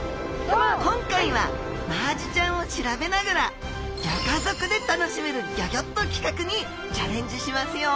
今回はマアジちゃんを調べながらギョ家族で楽しめるギョギョッと企画にチャレンジしますよ！